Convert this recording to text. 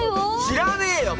知らねえよ